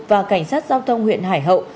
và cảnh sát giao thông huyện hải hậu